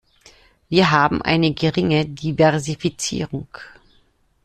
Wir haben eine geringe Diversifizierung.